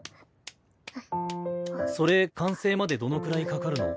それ完成までどのくらいかかるの？